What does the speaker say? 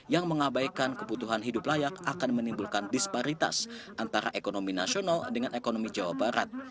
yang mengabaikan kebutuhan hidup layak akan menimbulkan disparitas antara ekonomi nasional dengan ekonomi jawa barat